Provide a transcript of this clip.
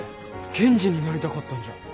検事になりたかったんじゃ。